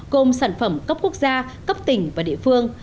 gồm sản phẩm cấp quốc gia cấp tỉnh và địa phương